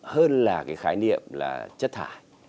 hơn là cái khái niệm là chất thải